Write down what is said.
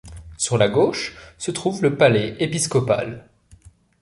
Sur la gauche se trouve le palais épiscopal.